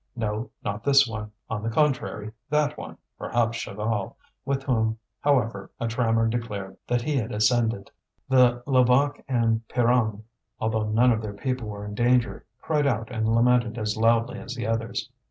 No, not this one; on the contrary, that one, perhaps Chaval, with whom, however, a trammer declared that he had ascended. The Levaque and Pierronne, although none of their people were in danger, cried out and lamented as loudly as the others.